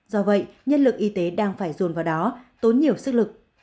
do vậy nhân lực y tế đang phải dồn vào đó tốn nhiều sức lực